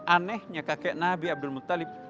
anehnya kakek nabi abdul mutalib